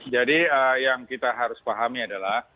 jadi yang kita harus pahami adalah